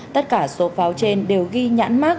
tất cả số pháo trên đều ghi nhãn mác